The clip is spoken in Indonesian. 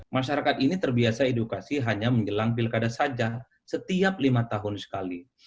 masyarakat ini terbiasa edukasi hanya menjelang pilkada saja setiap lima tahun sekali